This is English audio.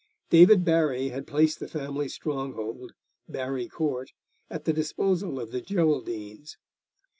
David Barry had placed the family stronghold, Barry Court, at the disposal of the Geraldines.